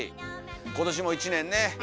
今年も１年ね。